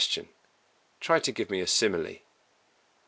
_Try to give me a simile?